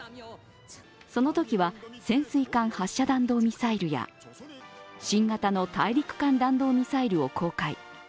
そのときは潜水艦発射弾道ミサイルや新型の大陸間弾道ミサイルを公開。